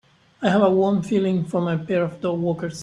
I have a warm feeling for my pair of dogwalkers.